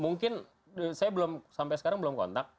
mungkin saya belum sampai sekarang belum kontak